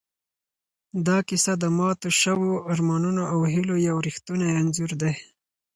دا کیسه د ماتو شوو ارمانونو او هیلو یو ریښتونی انځور دی.